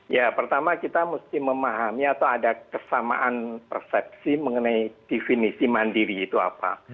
ya pertama kita mesti memahami atau ada kesamaan persepsi mengenai definisi mandiri itu apa